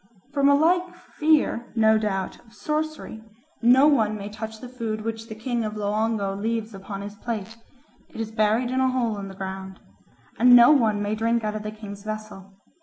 From a like fear, no doubt, of sorcery, no one may touch the food which the king of Loango leaves upon his plate; it is buried in a hole in the ground. And no one may drink out of the king's vessel.